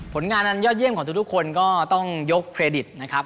ผลงานอันยอดเยี่ยมของทุกคนก็ต้องยกเครดิตนะครับ